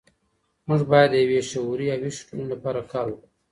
موږ بايد د يوې شعوري او ويښې ټولني لپاره کار وکړو.